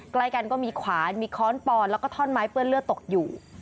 ใกล้กันก็มีขวานมีค้อนปอนแล้วก็ท่อนไม้เปื้อนเลือดตกอยู่